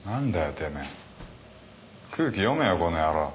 てめえ空気読めよこの野郎。